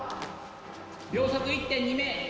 秒速１．２ｍ。